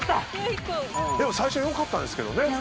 でも最初よかったですけどね。